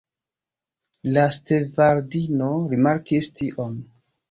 La stevardino rimarkis tion.